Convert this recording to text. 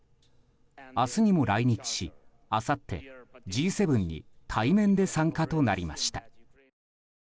明日にも来日し、あさってＧ７に対面で参加となりました。